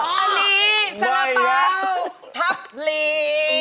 อ๋ออันนี้สระเปร่าทับลี